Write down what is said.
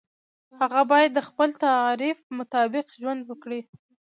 هغه باید د خپل تعریف مطابق ژوند وکړي.